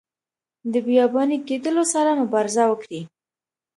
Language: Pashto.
د بیاباني کیدلو سره مبارزه وکړي.